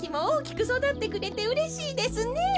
おおきくそだってくれてうれしいですね。